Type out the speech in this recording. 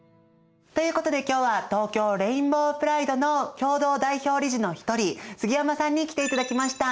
ということで今日は東京レインボープライドの共同代表理事の一人杉山さんに来ていただきました。